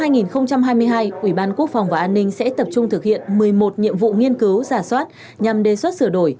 năm hai nghìn hai mươi hai ủy ban quốc phòng và an ninh sẽ tập trung thực hiện một mươi một nhiệm vụ nghiên cứu giả soát nhằm đề xuất sửa đổi